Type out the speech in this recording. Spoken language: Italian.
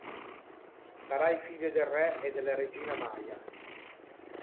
Sarai figlio del Re e della Regina Maya.